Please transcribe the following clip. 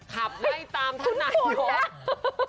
ขับได้ตามท่านไหน